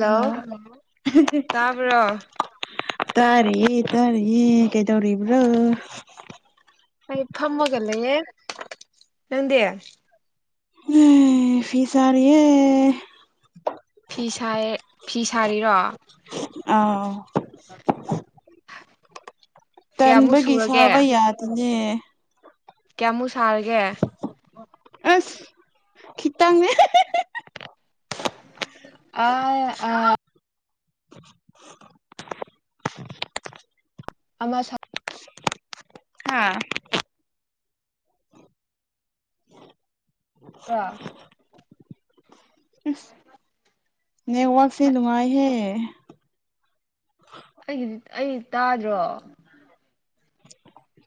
hello ꯇꯥꯕ꯭ꯔꯣ ꯇꯥꯏ ꯇꯥꯔꯤꯌꯦ ꯇꯥꯔꯤꯌꯦ ꯀꯩꯗꯧꯔꯤꯕ꯭ꯔꯣ ꯑꯩ ꯐꯝꯃꯒ ꯂꯩꯌꯦ ꯅꯪꯗꯤ ꯑꯦ ꯐꯤꯁꯥꯔꯤꯌꯦ ꯐꯤꯁꯥꯌꯦ ꯐꯤ ꯁꯥꯔꯤꯔꯣ [inaudible] ꯀꯌꯥꯃꯨꯛ ꯇꯟꯕꯒꯤ ꯁꯨꯔꯒꯦ ꯁꯥꯕ ꯌꯥꯗꯕꯅꯦ ꯀꯌꯥꯃꯨꯛ ꯁꯥꯔꯒꯦ ꯑꯁ ꯈꯤꯇꯪꯅꯦ ꯍꯥ [unintelligible] ꯑꯃ ꯁꯥ ꯍꯥꯥ ꯁꯥꯕ꯭ꯔꯣ ꯏꯁ ꯅꯦꯋ꯭ꯔꯣꯛꯁꯦ ꯅꯨꯡꯉꯥꯏ ꯍꯦ ꯑꯩꯒꯤꯗꯤ ꯑꯩ ꯇꯥꯗ꯭ꯔꯣ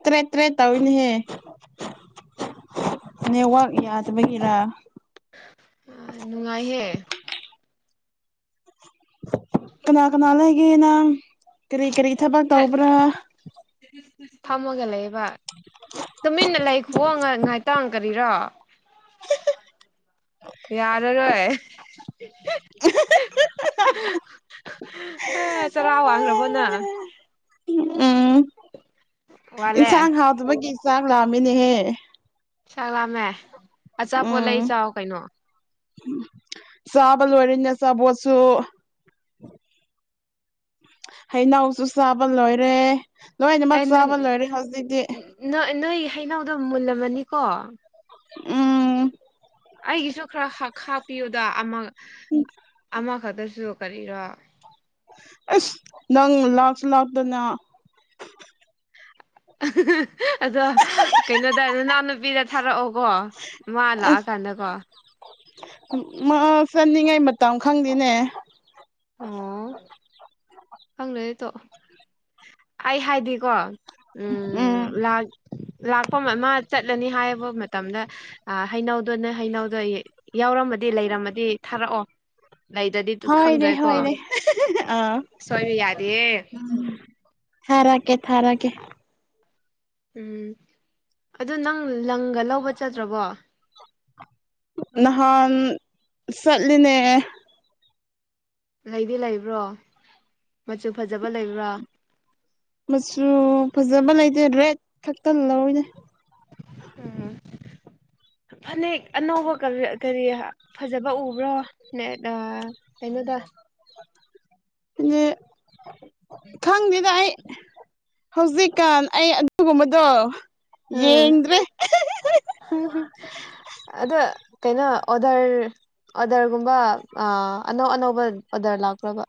ꯇ꯭ꯔꯦꯠ ꯇ꯭ꯔꯦꯠ ꯇꯧꯋꯦꯅꯦꯍꯦ ꯅꯦꯋꯥꯛ ꯌꯥꯗꯕꯒꯤꯔꯥ ꯅꯨꯡꯉꯥꯏꯍꯦ ꯀꯅꯥ ꯀꯅꯥ ꯂꯩꯒꯦ ꯅꯪ ꯀꯔꯤ ꯀꯔꯤ ꯊꯕꯛ ꯍꯦꯛ ꯇꯧꯕ꯭ꯔꯥ ꯐꯝꯃꯒ ꯂꯩꯕ ꯇꯨꯃꯤꯟꯅ ꯂꯩꯈꯨꯋꯣ ꯉ ꯉꯥꯏꯇꯪ ꯀꯔꯤꯔꯥ ꯌꯥꯔꯔꯣꯢ [unintelligible] [unintelligible] ꯑ ꯆꯔꯥ ꯋꯥꯡꯈ꯭ꯔꯕꯣ ꯅꯪ ꯎꯝ ꯋꯥꯠꯂꯦ ꯏꯟꯁꯥꯡ ꯍꯥꯎꯇꯕꯒꯤ ꯆꯥꯛ ꯂꯥꯝꯃꯦꯅꯦꯍꯦ ꯆꯥꯛ ꯂꯥꯝꯃꯦ ꯑꯆꯥꯄꯣꯠ ꯂꯩ ꯎꯝ ꯆꯥꯎ ꯀꯩꯅꯣ ꯆꯥꯕ ꯂꯣꯏꯔꯦꯅꯦ ꯑꯆꯥꯕꯣꯠꯁꯨ ꯍꯩꯅꯧꯁꯨ ꯆꯥꯕ ꯂꯣꯏꯔꯦ ꯂꯣꯏꯅꯃꯛ ꯑꯩ ꯅꯟ ꯆꯥꯕ ꯂꯣꯏꯔꯦ ꯍꯧꯖꯤꯛꯇꯤ ꯅ ꯅꯣꯏ ꯍꯩꯅꯧꯗꯣ ꯃꯨꯜꯂꯝꯃꯅꯤꯀꯣ ꯎꯝ ꯑꯩꯒꯤꯁꯨ ꯈꯔ ꯍ ꯈꯥꯛꯄꯤꯌꯨꯗ ꯑꯃ [unintelligible] ꯑꯃ ꯈꯠꯇꯁꯨ ꯀꯔꯤꯔ ꯑꯁ ꯅꯪꯅ ꯂꯥꯛꯁꯨ ꯂꯥꯛꯇꯅ [unintelligible] ꯑꯗꯣ ꯀꯩꯅꯣꯗ ꯔꯣꯅꯥꯜ ꯅꯨꯄꯤꯗ ꯊꯥꯔꯛꯑꯣ ꯀꯣ ꯃꯥ ꯂꯥꯛꯑ ꯀꯥꯟꯗꯀꯣ ꯃꯥꯎ ꯆꯠꯅꯤꯡꯉꯩ ꯃꯇꯝ ꯈꯪꯗꯦꯅꯦ ꯈꯪꯗ꯭ꯔꯗꯤ ꯇꯣꯛꯑꯣ ꯑꯩ ꯍꯥꯏꯗꯤ ꯀꯣ ꯎꯝ ꯂꯥꯛ ꯂꯥꯛꯄ ꯃ ꯆꯠꯂꯅꯤ ꯍꯥꯏꯕ ꯃꯇꯝꯗ ꯑꯥ ꯍꯩꯅꯧꯗꯣꯅꯦ ꯍꯩꯅꯧꯗꯣ ꯌꯥꯎ ꯌꯥꯎꯔꯝꯃꯗꯤ ꯂꯩꯔꯝꯃꯗꯤ ꯊꯥꯔꯛꯑꯣ ꯂꯩꯗ꯭ꯔꯗꯤ ꯍꯣꯏꯅꯦ ꯈꯪꯗ꯭ꯔꯦꯀꯣ ꯍꯣꯏꯅꯦ ꯑꯥ ꯁꯣꯏꯔꯦ ꯌꯥꯗꯦ ꯍꯦ ꯊꯥꯔꯛꯀꯦ ꯊꯥꯔꯥꯒꯦ ꯎꯝ ꯑꯗꯨ ꯅꯪ ꯂꯪꯒ ꯂꯧꯕ ꯆꯠꯇ꯭ꯔꯕꯣ ꯅꯍꯥꯟ ꯆꯠꯂꯤꯅꯦ ꯂꯩꯗꯤ ꯂꯩꯕ꯭ꯔꯣ ꯃꯆꯨ ꯐꯖꯕ ꯂꯩꯕ꯭ꯔꯥ ꯎꯝ ꯐꯖꯕ ꯂꯩꯇꯦ ꯔꯦꯠ ꯈꯇꯪ ꯂꯧꯋꯤꯅꯦ [unintelligible] ꯎꯝ ꯐꯅꯦꯛ ꯑꯅꯧꯕ ꯀꯔ ꯀꯔꯤ ꯐꯖꯕ ꯎꯕ꯭ꯔꯣ ꯅꯦꯛ ꯑꯥ ꯀꯩꯅꯣꯗ [unintelligible] ꯈꯪꯗꯦꯗ ꯑꯩ ꯍꯧꯖꯤꯛꯀꯥꯟ ꯑꯩ ꯑꯗꯨꯒꯨꯝꯕꯗꯣ ꯎꯝ ꯌꯦꯡꯗ꯭ꯔꯦ [unintelligible] ꯑꯗꯣ ꯀꯩꯅꯣ ꯑꯣꯗꯔ ꯑꯣꯗꯔ ꯒꯨꯝꯕ ꯑ ꯑꯅꯧ ꯑꯅꯧꯕ ꯑꯣꯗꯔ ꯂꯥꯛꯄ꯭ꯔꯕ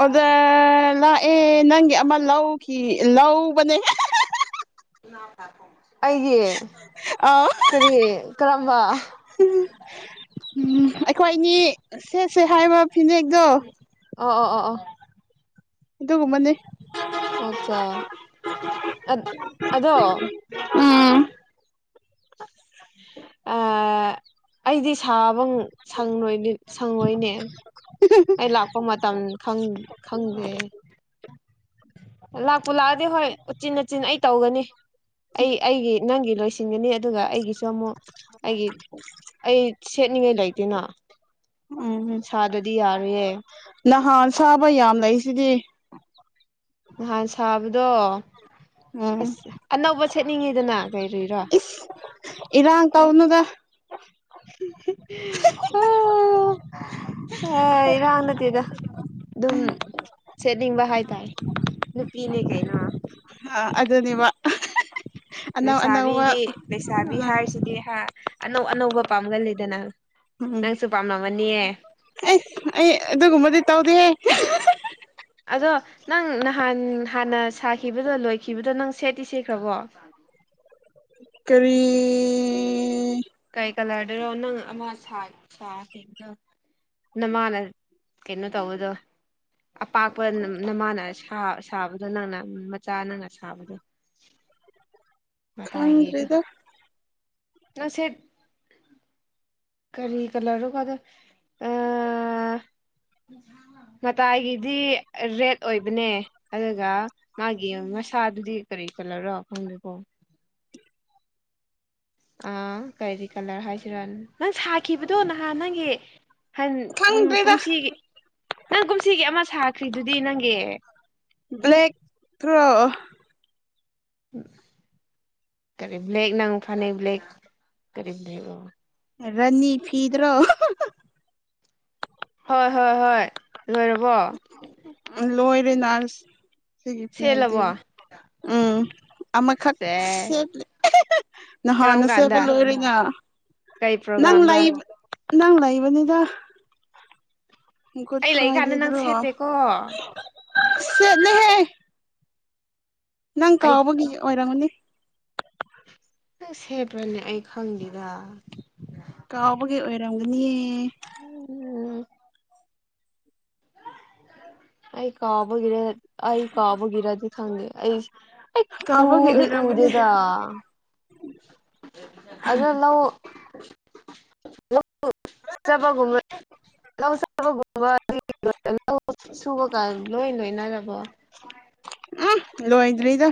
ꯑꯣꯗꯔ ꯂꯥꯛꯑꯦ ꯅꯪꯒꯤ ꯑꯃ ꯂꯧꯈꯤ ꯂꯧꯕꯅꯦ [unintelligible] [unintelligible] ꯑꯩꯒꯤ ꯑꯥ ꯀꯔꯤ ꯀꯔꯝꯕ ꯎꯝ ꯑꯩꯈꯣꯏ ꯏꯅꯤ ꯁꯦꯠꯁꯦ ꯍꯥꯏꯕ ꯐꯤꯅꯦꯛꯇꯣ ꯑꯣ ꯑꯣ ꯑꯣ ꯑꯣ ꯑꯗꯨꯒꯨꯝꯕꯅꯦ ꯑꯣꯆꯥ ꯑꯠ ꯑꯗꯣ ꯎꯝ ꯑꯁ ꯑꯥ ꯑꯩꯗꯤ ꯊꯥꯕꯪ ꯁꯪꯔꯣꯏꯅꯦ ꯁꯪꯉꯣꯏꯅꯦ ꯑꯩ ꯂꯥꯛꯄ ꯃꯇꯝ ꯈꯪ ꯈꯪꯗꯦ ꯂꯥꯛꯄꯨ ꯂꯥꯛꯑꯗꯤ ꯍꯣꯏ ꯎꯆꯤꯟꯅꯥꯆꯤꯟ ꯑꯩ ꯇꯧꯒꯅꯤ ꯑꯩ ꯑꯩꯒꯤ ꯅꯪꯒꯤ ꯂꯣꯏꯁꯤ ꯁꯤꯟꯒꯅꯤ ꯑꯗꯨꯒ ꯑꯩꯒꯤꯁꯨ ꯑꯃꯨꯛ ꯑꯩꯒꯤ ꯑꯩ ꯁꯦꯠꯅꯤꯡꯉꯤ ꯂꯩꯇꯦꯅ ꯎꯝꯍꯨꯝ ꯁꯥꯗꯗꯤ ꯌꯥꯔꯣꯏꯌꯦ ꯅꯍꯥꯟ ꯐꯥꯕ ꯌꯥꯝ ꯂꯩ ꯁꯤꯗꯤ ꯅꯍꯥꯟ ꯁꯥꯕꯗꯣ ꯎꯝ ꯑꯁ ꯑꯅꯧꯕ ꯁꯦꯠꯅꯤꯡꯉꯤꯗꯅ ꯀꯩꯔꯤꯔꯥ ꯑ ꯑꯥ ꯑ ꯏꯔꯥꯡ ꯅꯠꯇꯦꯗ ꯑꯗꯨꯝ ꯁꯦꯠꯅꯤꯡꯕ ꯍꯥꯏ ꯇꯥꯏ ꯅꯨꯄꯤꯅꯦ ꯀꯩꯅꯣ ꯑ ꯑꯗꯨꯅꯤꯕ ꯂꯩꯁꯥꯕꯤꯗꯤ ꯂꯩꯁꯥꯕꯤ ꯎꯝ ꯍꯥꯏꯔꯤꯁꯤꯗꯤ ꯍꯥ ꯑꯅꯧ ꯑꯅꯧꯕ ꯄꯥꯝꯒꯜ ꯂꯤꯗꯅ ꯎꯝ ꯑꯩ ꯑꯩ ꯑꯗꯨꯒꯨꯝꯕꯗꯤ ꯇꯧꯗꯦꯍꯦ ꯑꯗꯣ ꯅꯪ ꯅꯍꯥꯟ ꯍꯥꯟꯅ ꯁꯥꯈꯤꯕꯗꯣ ꯂꯣꯏꯈꯤꯕꯗꯣ ꯅꯪ ꯁꯦꯠꯇꯤ ꯁꯦꯈ꯭ꯔꯕꯣ [inaudible] ꯀꯔꯤ ꯀꯩ ꯀꯂꯔꯗꯅꯣ ꯅꯪ ꯑꯃ ꯁꯥ ꯁꯥꯈꯤꯕꯗꯣ ꯅꯃꯥꯅ ꯀꯩꯅꯣ ꯇꯧꯕꯗꯣ ꯑꯄꯥꯛꯄ ꯅꯃꯥꯅ ꯁꯥ ꯁꯥꯕꯗꯣ ꯅꯪꯅ ꯃꯆꯥ ꯅꯪꯅ ꯁꯥꯕꯗꯣ ꯈꯪꯗ꯭ꯔꯦꯗ ꯅꯪ ꯁꯦꯞ ꯀꯔꯤ ꯀꯂꯔꯅꯣꯕ ꯑꯗꯣ ꯑꯦ ꯃꯇꯥꯏꯒꯤꯗꯤ ꯔꯦꯠ ꯑꯣꯏꯕꯅꯦ ꯑꯗꯨꯒ ꯃꯥꯒꯤ ꯃꯁꯥꯗꯨꯗꯤ ꯀꯔꯤ ꯀꯥꯅꯥꯔꯣ ꯑꯥ ꯀꯔꯤ ꯀꯂꯔ ꯍꯥꯏꯁꯤꯔ ꯅꯪ ꯁꯥꯈꯤꯕꯗꯣ ꯅꯍꯥꯟ ꯅꯪꯒꯤ ꯍꯟ ꯍꯝ ꯈꯪꯗ꯭ꯔꯦꯗ ꯀꯨꯝꯁꯤꯒꯤ ꯅꯪ ꯀꯨꯝꯁꯤꯒꯤ ꯑꯃ ꯁꯥꯈ꯭ꯔꯤꯗꯨꯗꯤ ꯅꯪꯒꯤ ꯕ꯭ꯂꯦꯛꯦ ꯇ꯭ꯔꯣ ꯀꯔꯤ ꯕ꯭ꯂꯦꯛ ꯅꯪ ꯐꯅꯦꯛ ꯕꯦꯜꯛ ꯀꯔꯤ ꯕ꯭ꯂꯦꯛꯅꯣ ꯔꯅꯤ ꯐꯗ꯭ꯔꯣ ꯍꯣꯏ ꯍꯣꯏ ꯍꯣꯏ ꯂꯣꯏꯔꯕꯣ ꯂꯣꯏꯔꯦ ꯅꯥꯁ ꯁꯤꯒꯤ ꯐꯤꯅꯦꯇꯤ ꯁꯦꯠꯂꯕꯣ ꯎꯝ ꯑꯃꯈꯛ ꯁꯦ ꯁꯦꯠꯂꯤ ꯀꯔꯝ ꯅꯍꯥꯟꯅ ꯁꯦꯕ ꯀꯥꯟꯗ ꯂꯣꯏꯔꯤꯅ [inaudible] ꯀꯩ ꯄ꯭ꯔꯣꯒ꯭ꯔꯥꯝꯗ ꯅꯪ ꯂꯩꯕꯅꯤꯗ ꯒꯨꯠ ꯑꯩ ꯂꯩꯀꯥꯟꯗ ꯅꯪ ꯐ꯭ꯔꯥꯏꯗꯦꯗ꯭ꯔꯣ ꯁꯦꯠꯇꯦꯀꯣ ꯁꯤꯠꯅꯤꯍꯦ ꯅꯪ ꯑꯩ ꯀꯥꯎꯕꯒꯤ ꯑꯣꯏꯔꯝꯒꯅꯤ ꯅꯪ ꯁꯦꯕ꯭ꯔꯅꯦ ꯑꯩ ꯈꯪꯅꯤꯗ ꯀꯥꯎꯕꯒꯤ ꯑꯣꯏꯔꯝꯒꯅꯤꯌꯦ ꯎꯝ ꯑꯩ ꯀꯥꯎꯕꯒꯤꯔ ꯑꯩ ꯀꯥꯎꯕꯒꯤꯔꯗꯤ ꯈꯪꯗꯦ ꯑꯩ ꯑꯩ ꯀꯥꯎꯕꯒꯤ ꯎꯗꯤ ꯑꯣꯏꯔꯝꯒꯅꯤ ꯎꯗꯦꯗꯥ ꯑꯗꯨ ꯂꯧ [inaudible] [unintelligible] ꯁꯨꯕꯒꯥ ꯂꯣꯏ ꯂꯣꯏꯅꯔꯕꯣ ꯂꯣꯏꯗ꯭ꯔꯤꯗ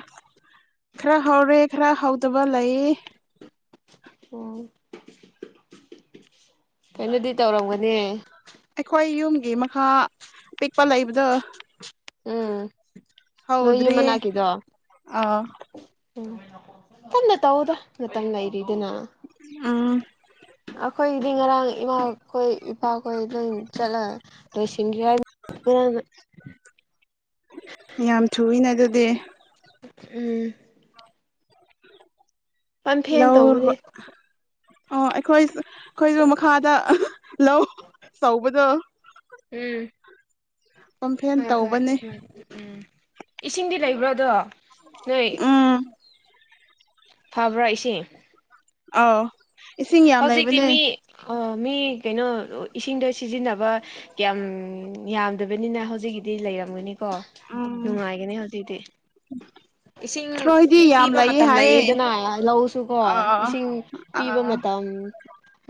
ꯈꯔ ꯍꯧꯔꯦ ꯈꯔ ꯍꯧꯗꯕ ꯂꯩꯌꯦ ꯎꯝ ꯀꯩꯅꯣꯗꯤ ꯇꯧꯔꯝꯒꯅꯤ ꯀ ꯃꯈꯥ ꯄꯤꯛꯄ ꯂꯩꯕꯗꯣ ꯎꯝ ꯅꯣꯏ ꯌꯨꯝ ꯍꯧꯗ꯭ꯔꯤꯌꯦ ꯃꯅꯥꯛꯀꯤꯗꯣ ꯑꯥ ꯎꯝ ꯄꯟꯅ ꯇꯧꯑꯣꯗ ꯃꯇꯝ ꯂꯩꯔꯤꯗꯅ ꯑꯝ ꯑꯩꯈꯣꯏꯗꯤ ꯉꯔꯥꯡ ꯏꯃꯥꯈꯣꯏ ꯏꯄꯥꯈꯣꯏ ꯂꯣꯏ ꯆꯠꯂ ꯂꯣꯏꯁꯤꯟꯈ ꯍꯥꯏꯅꯤ ꯉꯔꯥꯡꯅ ꯌꯥꯝ ꯊꯨꯏꯅ ꯑꯗꯨꯗꯤ ꯎꯝ ꯄꯝꯐꯦꯟ ꯂꯧꯕ ꯇꯧꯕꯅꯦ ꯑꯣ ꯑꯩꯈꯣꯏ ꯑꯩꯈꯣꯏꯁꯨ ꯃꯈꯥꯗ ꯂꯧ ꯇꯧꯕꯗꯣ ꯎꯝ ꯄꯝꯐꯦꯟ ꯍꯣꯏ ꯍꯣꯏ ꯇꯧꯕꯅꯦ ꯑꯗꯨꯃꯥꯏꯅ ꯎꯝ ꯏꯁꯤꯡꯗꯤ ꯂꯩꯕ꯭ꯔꯣ ꯑꯗꯣ ꯅꯣꯏ ꯎꯝ ꯐꯕ꯭ꯔꯥ ꯏꯁꯤꯡ ꯑꯥꯎ ꯏꯁꯤꯡ ꯌꯥꯝ ꯂꯩꯕꯅꯦ ꯑꯥ ꯃꯤ ꯀꯩꯅꯣ ꯏꯁꯤꯡꯗ ꯁꯤꯖꯤꯟꯅꯕ ꯀꯌꯥꯝ ꯌꯥꯝꯗꯕꯅꯤꯅ ꯍꯧꯖꯤꯛꯀꯤꯗꯤ ꯂꯩꯔꯝꯒꯅꯤꯀꯣ ꯎꯝ ꯅꯨꯡꯉꯥꯏꯒꯅꯤ ꯍꯧꯖꯤꯛꯇꯤ ꯏꯁꯤꯡ ꯊ꯭ꯔꯣꯏꯗꯤ ꯌꯥꯝ ꯄꯤꯕ ꯂꯩꯌꯦ ꯃꯇꯝ ꯍꯥꯏꯌꯦ ꯂꯩꯌꯦꯗꯅ ꯂꯧꯁꯨꯀꯣ ꯑꯥ ꯏꯁꯤꯡ ꯄꯤꯕ ꯑꯥ ꯃ ꯎꯝ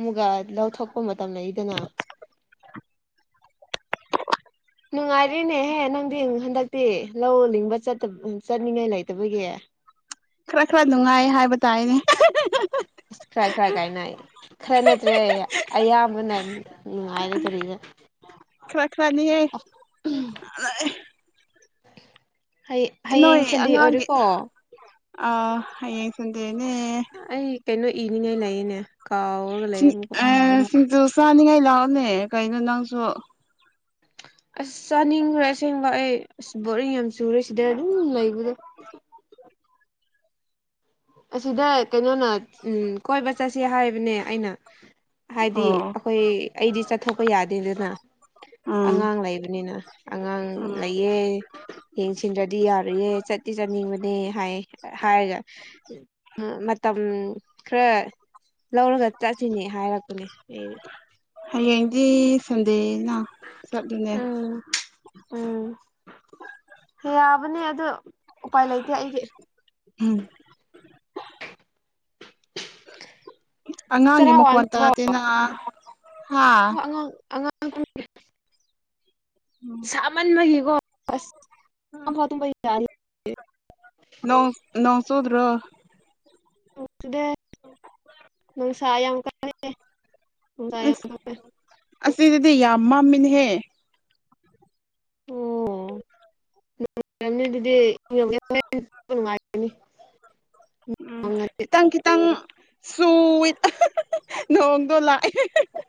ꯃꯨꯒꯥ ꯂꯧꯊꯣꯛꯄ ꯃꯇꯝ ꯂꯩ ꯑꯦꯗꯅ ꯅꯨꯡꯉꯥꯏꯔꯤꯅꯦꯍꯦ ꯅꯪꯗꯤꯡ ꯍꯟꯗꯛꯇꯤ ꯂꯧ ꯂꯤꯡꯕ ꯆꯠꯇꯕ ꯎꯝ ꯆꯠꯅꯤꯡꯉꯥꯏ ꯂꯩꯇꯕꯒꯤ ꯈꯔ ꯈꯔ ꯅꯨꯡꯉꯥꯏ ꯍꯥꯏꯕ ꯇꯥꯏꯅꯦ ꯈꯔꯥꯏ ꯈꯔꯥꯏ ꯀꯥꯏ ꯅ ꯈꯔ ꯅꯠꯇ꯭ꯔꯦ ꯑꯌꯥꯝꯕꯅ ꯅꯨꯡꯉꯥꯏꯔꯦ ꯀꯔꯤꯔ ꯈꯔ ꯈꯔ ꯅꯤ ꯑꯦ ꯍꯌꯦ ꯍꯌꯦꯡ ꯁꯟꯗꯦ ꯑꯣꯏꯔꯦꯀꯣ ꯑꯥꯥ ꯍꯌꯦꯡ ꯁꯟꯗꯦꯅꯦ ꯑꯩ ꯀꯩꯅꯣ ꯏꯅꯤꯡꯉꯥꯏ ꯂꯩꯌꯦꯅꯦ ꯀꯥꯎꯔꯒ ꯂꯩꯔꯦ ꯁꯤꯡ ꯑꯃꯨꯛꯀ ꯑꯥ ꯁꯤꯡꯖꯨ ꯆꯥꯅꯤꯡꯉꯥꯏ ꯂꯥꯛꯑꯣꯅꯦ ꯀꯩꯅꯣ ꯅꯪꯁꯨ [inaudible] ꯑꯁ ꯆꯥꯅꯤꯡꯈ꯭ꯔꯦ ꯑꯁꯦꯡꯕ ꯑꯩ ꯑꯁ ꯕꯣꯔꯤꯡ ꯌꯥꯝ ꯆꯨꯔꯦ ꯁꯤꯗ ꯑꯗꯨꯝ ꯂꯩꯕꯗꯣ [inaudible] ꯑꯁꯤꯗ ꯀꯩꯅꯣꯅ ꯎꯝ ꯀꯣꯏꯕ ꯆꯠꯁꯤ ꯍꯥꯏꯕꯅꯦ ꯑꯩꯅ ꯍꯥꯏꯗꯤ ꯑꯩꯈꯣꯏ ꯑꯩꯗꯤ ꯆꯠꯊꯣꯛꯄ ꯌꯥꯗꯦꯗꯅ ꯎꯝ ꯑꯉꯥꯡ ꯂꯩꯕꯅꯤꯅ ꯑꯉꯥꯡ ꯎꯝ ꯂꯩꯌꯦ ꯌꯦꯡꯁꯤꯟꯗ꯭ꯔꯗꯤ ꯌꯥꯔꯨꯏꯌꯦ ꯆꯠ ꯇꯤꯖꯅꯤꯡꯕꯅꯦ ꯍꯥꯏ ꯍꯥꯏꯔꯒ ꯎꯝ ꯃꯇꯝ ꯈꯔ ꯂꯧꯔꯒ ꯆꯠꯁꯤꯅꯦ ꯍꯥꯏꯔꯛꯄꯅꯦ ꯑꯩ ꯍꯌꯦꯡꯗꯤ ꯁꯟꯗꯦꯅ ꯆꯠꯂꯨꯅꯦ ꯎꯝ ꯎꯝ ꯌꯥꯕꯅꯦ ꯑꯗꯨ ꯎꯄꯥꯏ ꯂꯩꯇꯦ ꯑꯩꯒꯤ ꯎꯝ ꯑꯉꯥꯡꯒꯤ ꯆꯔꯥ ꯃꯈꯣꯟ ꯇꯗꯦꯅ ꯑꯣ ꯑꯉꯥꯡ ꯑꯉꯥꯡ ꯁꯥꯃꯟꯕꯒꯤꯀꯣ ꯑꯝꯐꯧ ꯇꯨꯝꯕ ꯌꯥꯗꯦ ꯅꯣꯡ ꯅꯣꯡꯆꯨꯗ꯭ꯔꯣ ꯅꯣꯡ ꯆꯨꯗꯦ ꯅꯨꯡꯁꯥ ꯌꯥꯝ ꯀꯥꯢꯌꯦ ꯅꯨꯡꯁꯥ ꯌꯥꯝ ꯑꯁ ꯊꯣꯛꯑꯦ ꯑꯁꯤꯗꯗꯤ ꯌꯥꯝ ꯃꯝꯃꯤꯅꯦꯍꯦ ꯑꯣ ꯅꯨꯡꯉꯥꯏꯔꯝꯅꯤ ꯑꯗꯨꯗꯤ [unintelligible] ꯅꯨꯡꯉꯥꯏꯕꯅꯦ ꯎꯝ ꯈꯤꯇꯪ ꯈꯤꯇꯪ ꯁꯨꯋꯤꯠ ꯑꯍꯦꯍꯦꯍꯦ ꯅꯣꯡꯗꯣ ꯂꯥꯛꯑꯦ ꯑꯍꯦꯍꯦꯍꯦ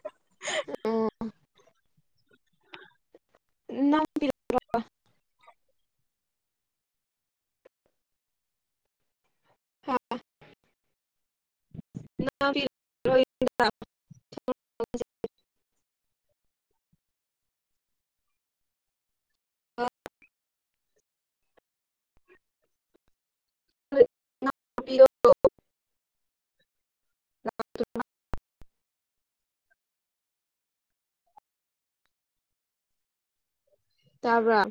ꯑꯣ [unintelligible] ꯃꯥꯌꯦꯛ ꯁꯦꯡꯗ꯭ꯔꯦ [inaudible] [unintelligible] [inaudible] [unintelligible] ꯇꯕ꯭ꯔꯥ